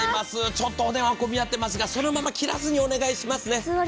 ちょっとお電話混み合っていますがそのまま切らずにお願いしますね。